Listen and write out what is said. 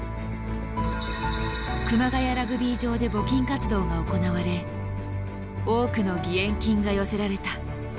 熊谷ラグビー場で募金活動が行われ多くの義援金が寄せられた。